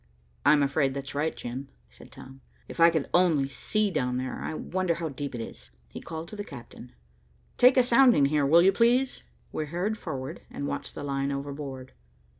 "I'm afraid that's right, Jim," said Tom. "If I could only see down there. I wonder how deep it is." He called to the captain. "Take a sounding here, will you please?" We hurried forward and watched the line overboard.